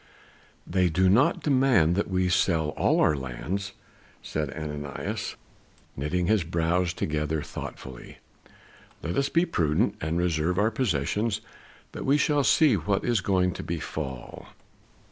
"They do not demand that we sell our lands," said Ananias, knitting his brows thoughtfully. "Let us be prudent and reserve our possessions till we shall see what is going to befall."